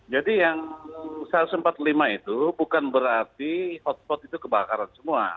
jadi yang satu ratus empat puluh lima itu bukan berarti hotspot itu kebakaran semua